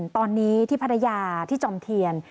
ตอนนี้ที่ภรรยาที่จอมเทียน